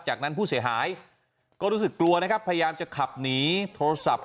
จากนั้นผู้เสียหายก็รู้สึกกลัวนะครับพยายามจะขับหนีโทรศัพท์